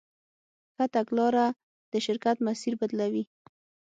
ښه تګلاره د شرکت مسیر بدلوي.